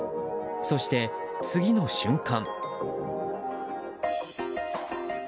そして、次の瞬間。